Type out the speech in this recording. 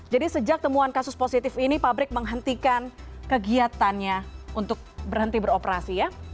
jadi sejak temuan kasus positif ini pabrik menghentikan kegiatannya untuk berhenti beroperasi ya